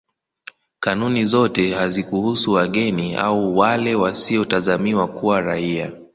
Kanuni zote hazikuhusu wageni au wale wasiotazamiwa kuwa raia.